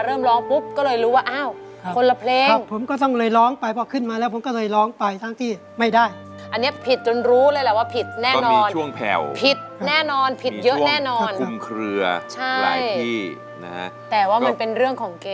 เดี๋ยวหมายความว่าตอนฟังอินโทรคิดว่าเป็นเพลง